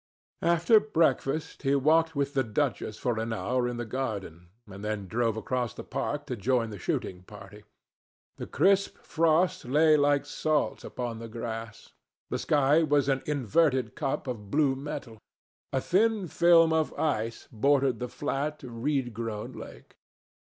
After breakfast, he walked with the duchess for an hour in the garden and then drove across the park to join the shooting party. The crisp frost lay like salt upon the grass. The sky was an inverted cup of blue metal. A thin film of ice bordered the flat, reed grown lake.